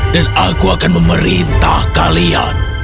dan aku akan memerintah kalian